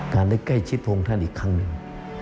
ได้ใกล้ชิดพระองค์ท่านอีกครั้งหนึ่ง